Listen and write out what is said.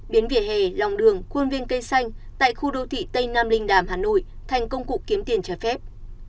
biến vỉa hè lòng đường khuôn viên cây xanh tại khu đô thị tây nam linh đàm hà nội thành công cụ kiếm tiền trái phép